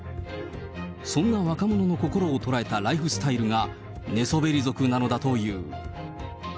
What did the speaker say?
そんな若者の心を捉えたライフスタイルが、寝そべり族なのだという。